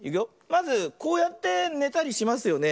まずこうやってねたりしますよね。